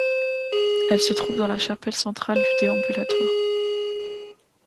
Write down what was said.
Elle se trouve dans la chapelle centrale du déambulatoire.